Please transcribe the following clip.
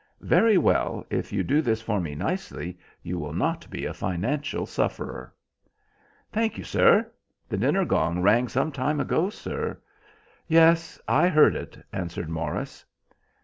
"Very well, if you do this for me nicely you will not be a financial sufferer." "Thank you, sir. The dinner gong rang some time ago, sir." "Yes, I heard it," answered Morris.